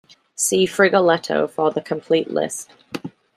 See Frigoletto for the complete list.